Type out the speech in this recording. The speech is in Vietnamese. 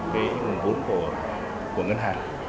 cái nguồn vốn của ngân hàng